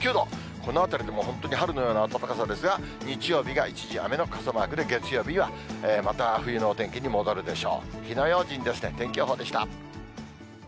このあたりでもう、本当に春のような暖かさですが、日曜日が一時雨の傘マークで、月曜日にはまた冬のお天気に戻るでしょう。